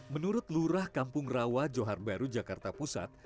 menurut lurah kampung rawa johar baru jakarta pusat